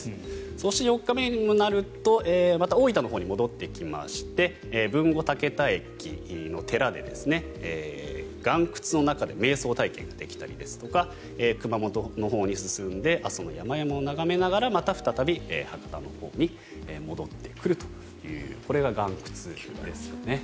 そして、４日目になると大分のほうに戻ってきまして豊後竹田駅の寺で、岩窟の中でめい想体験ができたりですとか熊本のほうに進んで阿蘇の山々を眺めながらまた再び博多のほうに戻ってくるというこれが岩窟ですね。